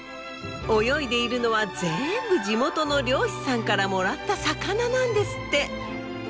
泳いでいるのはぜんぶ地元の漁師さんからもらった魚なんですって。